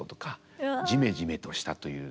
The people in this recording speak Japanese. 「ジメジメとした」という。